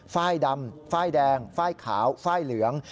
ฝ้ายดำฝ้ายแดงฝ้ายขาวฝ้ายเหลือง